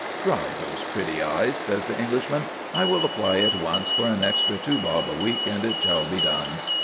"Dry those pretty eyes," says the Englishman; "I will apply at once for an extra two bob a week, and it shall be done."